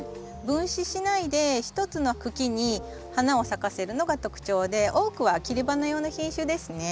分枝しないで１つの茎に花を咲かせるのが特徴で多くは切り花用の品種ですね。